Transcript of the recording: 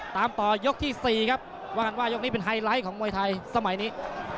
ตามต่อยกที่๔ครับว่ากันว่ายกนี้เป็นไฮไลท์ของมวยไทยสมัยนี้